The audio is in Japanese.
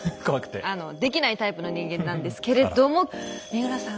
できないタイプの人間なんですけれども三浦さん